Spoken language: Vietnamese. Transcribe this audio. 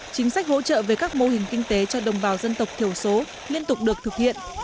chính sách hỗ trợ về các mô hình kinh tế cho đồng bào dân tộc thiểu số liên tục được thực hiện